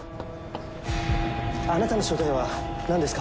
あなたの正体は何ですか？